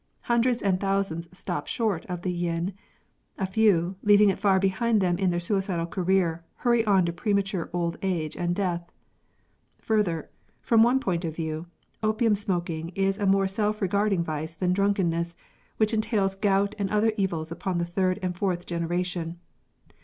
Hundreds and thousands stop short of the yin; a few, leaving it far behind them in their suicidal career, hurry on to premature old age and death. Further, from one point of view, opium smoking is a more self regarding vice than drunkenness, w^hich entails gout and other evils upon the third and fourth genera tion.